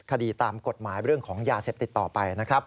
คดีตามกฎหมายเรื่องของยาเสพติดต่อไปนะครับ